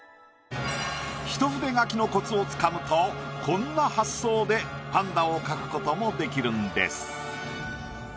一筆書きのコツをつかむとこんな発想でパンダを描くことも出来るんです。